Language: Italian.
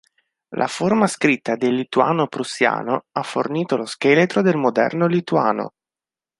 La forma scritta del lituano-prussiano ha fornito lo scheletro del moderno lituano.